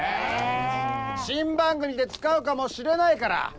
新番組で使うかもしれないから！ね！